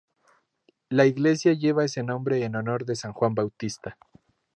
La iglesia lleva ese nombre en honor de San Juan Bautista.